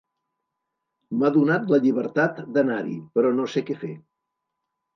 M'ha donat la llibertat d'anar-hi, però no sé què fer.